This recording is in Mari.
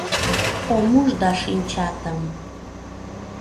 Ом уж да шинчатым –